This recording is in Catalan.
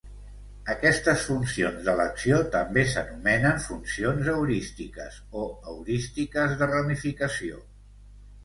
Aquestes funcions d'elecció també s'anomenen funcions heurístiques o heurístiques de ramificació.